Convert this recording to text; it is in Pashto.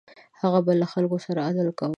هغه به له خلکو سره عدل کاوه.